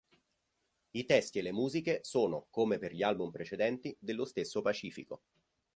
I testi e le musiche sono, come per gli album precedenti, dello stesso Pacifico.